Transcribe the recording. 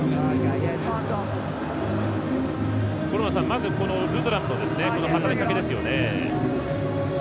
まず、このルドラムの働きかけですよね。